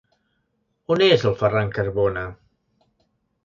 On és el Ferran Carbona?